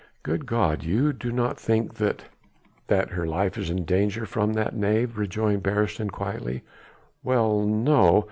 "Good God! you do not think that...." "That her life is in danger from that knave?" rejoined Beresteyn quietly. "Well, no!